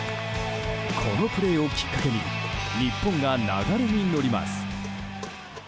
このプレーをきっかけに日本が流れに乗ります。